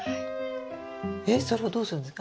えっそれをどうするんですか？